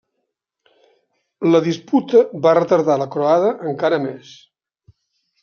La disputa va retardar la croada encara més.